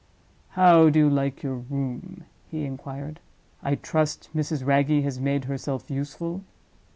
"How do you like your room?" he inquired; "I trust Mrs. Wragge has made herself useful?